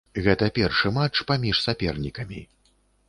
Гэта першы матч паміж сапернікамі.